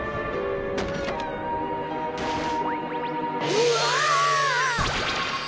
うわ！